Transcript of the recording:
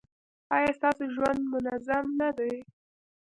ایا ستاسو ژوند منظم نه دی؟